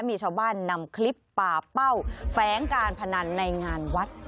มีชาวบ้านนำคลิปป่าเป้าแฟ้งการพนันในงานวัด